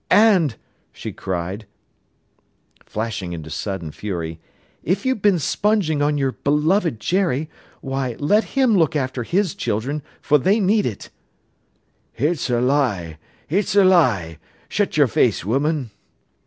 "And," she cried, flashing into sudden fury, "if you've been sponging on your beloved Jerry, why, let him look after his children, for they need it." "It's a lie, it's a lie. Shut your face, woman."